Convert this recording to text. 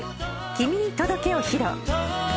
『君に届け』を披露。